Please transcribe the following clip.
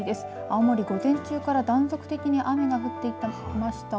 青森、午前中から断続的に雨が降っていました。